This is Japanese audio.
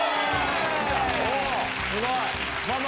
すごい！